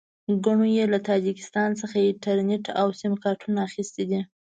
ګڼو یې له تاجکستان څخه انټرنېټ او سیم کارټونه اخیستي دي.